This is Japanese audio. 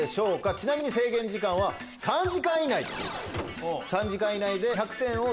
ちなみに制限時間は３時間以内。